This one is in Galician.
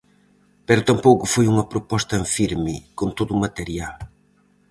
Pero tampouco foi unha proposta en firme, con todo o material.